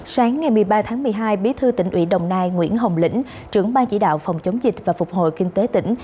sáng ngày một mươi ba tháng một mươi hai bí thư tỉnh ủy đồng nai nguyễn hồng lĩnh trưởng ban chỉ đạo phòng chống dịch và phục hồi kinh tế tỉnh